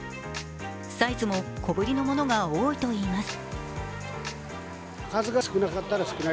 サイズも小ぶりのものが多いといいます。